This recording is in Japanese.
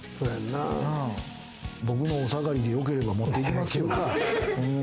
僕のお下がりでよければ持って行きますよ。